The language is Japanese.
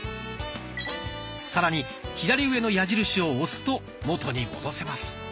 さらに左上の矢印を押すと元に戻せます。